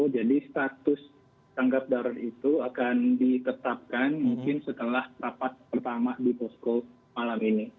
jadi status tanggap darurat itu akan ditetapkan mungkin setelah rapat pertama di posko malam ini